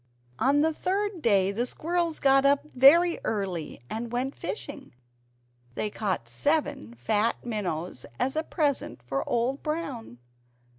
On the third day the squirrels got up very early and went fishing; they caught seven fat minnows as a present for Old Brown.